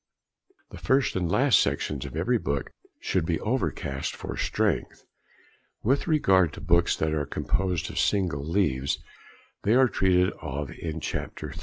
The first and last sections of every book should be overcast for strength. With regard to books that are composed of single leaves, they are treated of in Chapter III.